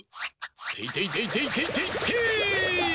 ていていていていていてい！